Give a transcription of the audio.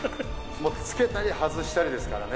つけたり外したりですからね。